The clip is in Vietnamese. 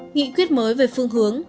nghị quyết mới về phương hướng